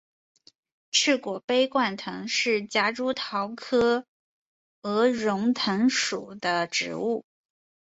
翅果杯冠藤是夹竹桃科鹅绒藤属的植物。